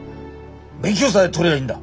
免許さえ取りゃいいんだ。